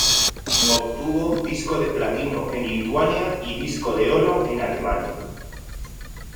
Obtuvo disco de Platino en Lituania y disco de oro en Alemania.